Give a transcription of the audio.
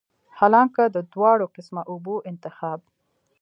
حالانکه د دواړو قسمه اوبو انتخاب